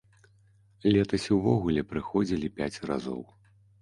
Летась увогуле прыходзілі пяць разоў.